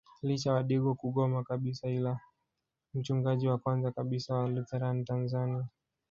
Licha wadigo kugoma kabisa ila mchungaji wa kwanza kabisa wa Lutheran Tanzania